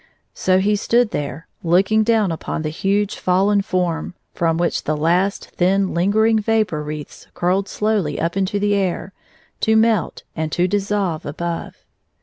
So he stood there, looking down upon the huge fallen form from which the last thin lingering vapor wreaths curled slowly up into the air to melt and to dis solve above.